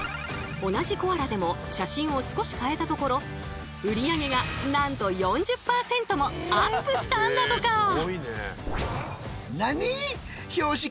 同じコアラでも写真を少し変えたところ売り上げがなんと４０％もアップしたんだとか！